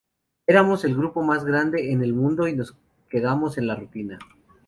Éramos el grupo más grande en el mundo y nos quedamos en la ruina.